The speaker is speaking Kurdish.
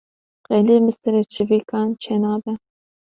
Qelî bi serê çîvikan çê nabe